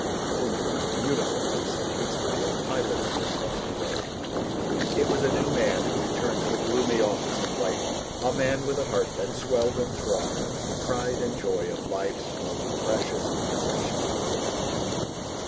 "Only when I am in uniform," he said hastily, and piloted her across the road. It was a new man who returned to the gloomy office in Whitehall. A man with a heart that swelled and throbbed with the pride and joy of life's most precious possession.